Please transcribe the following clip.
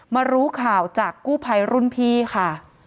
รู้ข่าวจากกู้ภัยรุ่นพี่ค่ะ